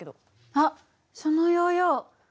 あっそのヨーヨー。